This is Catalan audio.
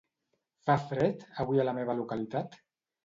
Fa fred avui a la meva localitat?